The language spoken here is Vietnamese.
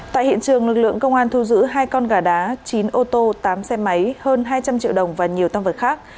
tại hiện trường lực lượng công an thu giữ hai con gà đá chín ô tô tám xe máy hơn hai trăm linh triệu đồng và nhiều tam vật khác